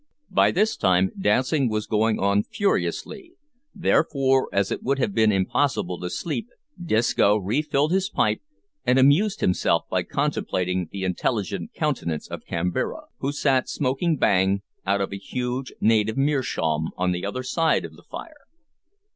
By this time dancing was going on furiously; therefore, as it would have been impossible to sleep, Disco refilled his pipe and amused himself by contemplating the intelligent countenance of Kambira, who sat smoking bang out of a huge native meerschaum on the other side of the fire.